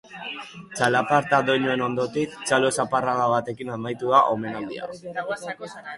Txalaparta doinuen ondotik, txalo zaparrada batekin amaitu da omenaldia.